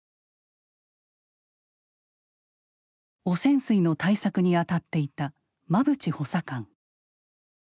汚染水の対策にあたっていた馬淵補佐官。